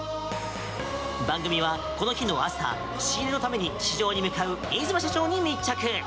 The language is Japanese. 番組は、この日の朝仕入れのために市場に向かう新妻社長に密着。